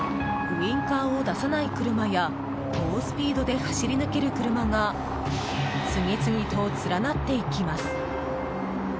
ウィンカーを出さない車や猛スピードで走り抜ける車が次々と連なっていきます。